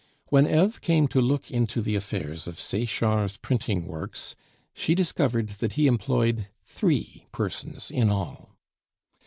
When Eve came to look into the affairs of Sechard's printing works, she discovered that he employed three persons in all.